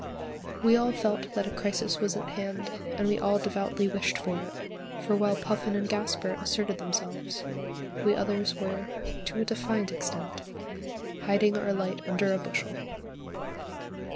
We all felt that a crisis was at hand, and we all devoutly wished it; for while Puffin and Gasper asserted themselves, we others were, to a defined extent, hiding our light under a bushel.